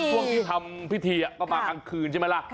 ช่วงที่ทำพิธีก็มากลางคืนใช่ไหมล่ะ